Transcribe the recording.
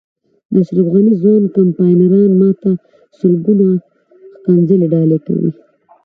د اشرف غني ځوان کمپاینران ما ته سلګونه ښکنځلې ډالۍ کوي.